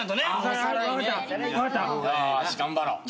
頑張ろう。